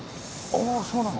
あそうなの？